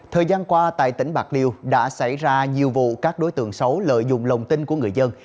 thời gian qua tại tỉnh bạc liêu đã xảy ra nhiều vụ các đối tượng xấu lợi dụng lòng tin của người dân